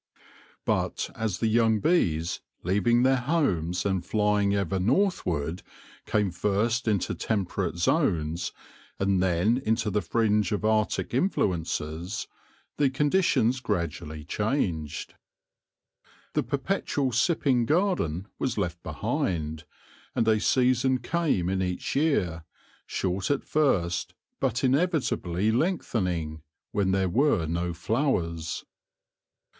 But as the young bees, leaving their homes, and flying ever northward, came first into temperate zones, and then into the fringe of Arctic influences, the conditions gradually changed. The perpetual sipping garden was left behind ; and a season came in each year — short at first, but inevitably lengthen ing — when there were no flowers.